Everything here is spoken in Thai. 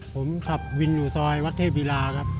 ผมขับวินอยู่ซอยวัดเทพวิราครับ